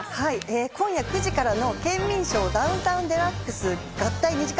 今夜９時からの『ケンミンＳＨＯＷ＆ダウンタウンＤＸ』合体２時間